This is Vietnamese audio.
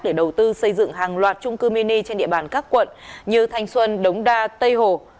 để đầu tư xây dựng hàng loạt trung cư mini trên địa bàn các quận như thanh xuân đống đa tây hồ